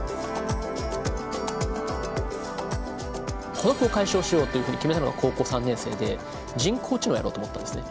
孤独を解消しようというふうに決めたのが高校３年生で人工知能をやろうと思ったんですね。